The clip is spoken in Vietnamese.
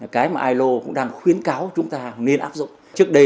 cái mà ilo cũng đang khuyến cáo chúng ta nên áp dụng